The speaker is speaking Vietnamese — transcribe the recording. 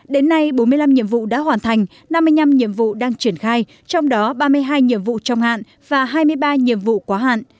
đến nay bốn mươi năm nhiệm vụ đã hoàn thành năm mươi năm nhiệm vụ đang triển khai trong đó ba mươi hai nhiệm vụ trong hạn và hai mươi ba nhiệm vụ quá hạn